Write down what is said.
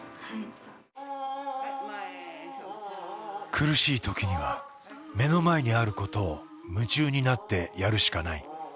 「苦しい時には目の前にあることを夢中になってやるしかない」。